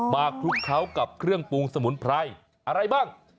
คลุกเคล้ากับเครื่องปรุงสมุนไพรอะไรบ้าง